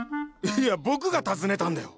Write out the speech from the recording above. いや僕が尋ねたんだよ。